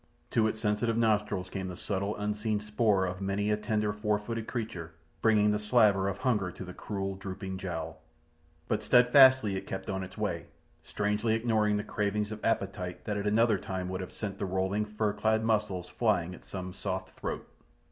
To its sensitive nostrils came the subtle unseen spoor of many a tender four footed creature, bringing the slaver of hunger to the cruel, drooping jowl. But steadfastly it kept on its way, strangely ignoring the cravings of appetite that at another time would have sent the rolling, fur clad muscles flying at some soft throat.